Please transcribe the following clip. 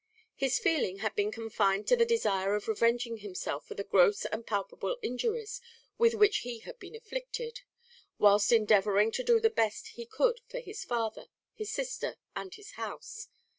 His feeling had been confined to the desire of revenging himself for the gross and palpable injuries with which he had been afflicted, whilst endeavouring to do the best he could for his father, his sister, and his house.